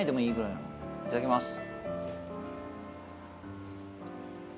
いただきます。